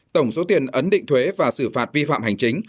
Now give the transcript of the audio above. tổng số tiền ấn định thuế và xử phạt vi phạm hành chính